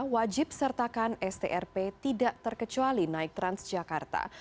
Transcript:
wajib sertakan strp tidak terkecuali naik transjakarta